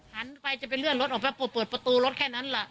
หันไปจะไปเลื่อนรถออกไปเปิดประตูรถแค่นั้นแหละ